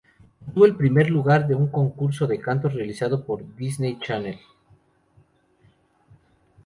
Obtuvo el primer lugar en un concurso de canto realizado por Disney Channel.